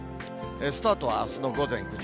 スタートはあすの午前９時。